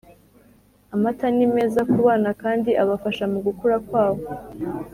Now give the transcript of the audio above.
amata ni meza ku bana kandi abafasha mugukura kwabo